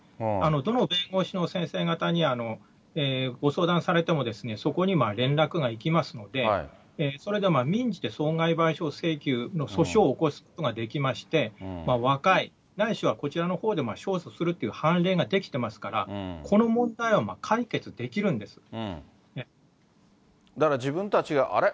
どの弁護士の先生方にご相談されても、そこに連絡がいきますので、それで民事で損害賠償請求の訴訟を起こすことができまして、和解ないしはこちらのほうで勝訴するという判例ができてますから、だから自分たちがあれ？